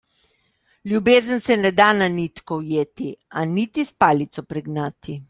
Ljubezen se ne da na nitko ujeti, a niti s palico pregnati.